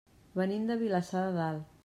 Venim de Vilassar de Dalt.